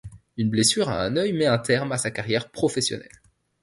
Une blessure à un œil met un terme à sa carrière professionnelle.